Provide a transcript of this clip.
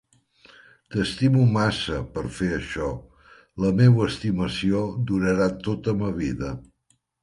T'estime massa, per fer això. La meua estimació durarà tota ma vida.